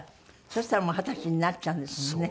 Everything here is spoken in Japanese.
そしたら二十歳になっちゃうんですもんね。